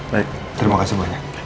baik terima kasih banyak